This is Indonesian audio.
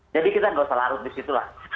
jadi kita nggak usah larut disitulah